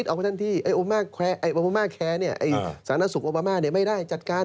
อโอบอมาแคร์เนี่ยอาศาลนาทรุกอโอบอมาไม่ได้จัดการ